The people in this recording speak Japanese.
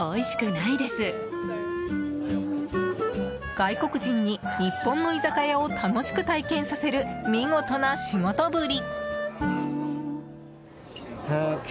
外国人に日本の居酒屋を楽しく体験させる見事な仕事ぶり。